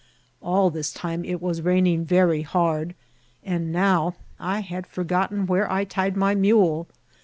All this time it was rain ing very hard ; and now I had forgotten where I tied my mule.